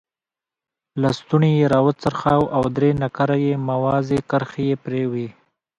لستوڼی یې را وڅرخاوه او درې نقره یي موازي کرښې یې پرې وې.